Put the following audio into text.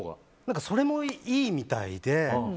それもいいみたいで。